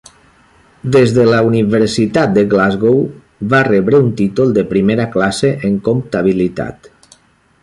Des de la Universitat de Glasgow va rebre un títol de primera classe en comptabilitat.